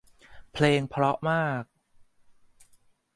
เพลงเพราะมาก